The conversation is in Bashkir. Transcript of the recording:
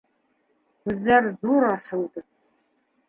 - Күҙҙәр ҙур асылды.